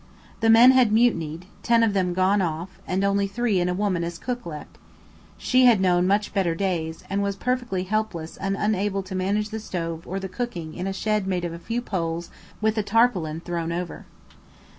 The men had mutinied, ten of them gone off, and only three and a woman as cook left; she had known much better days, and was perfectly helpless and unable to manage the stove or the cooking in a shed made of a few poles with a tarpaulin thrown over.